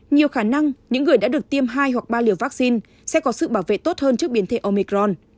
nhiều khả năng những người đã được tiêm hai hoặc ba liều vaccine sẽ có sự bảo vệ tốt hơn trước biến thể omicron